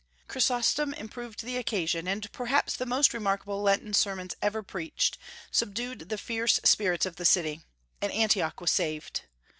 Chrysostom improved the occasion; and perhaps the most remarkable Lenten sermons ever preached, subdued the fierce spirits of the city, and Antioch was saved.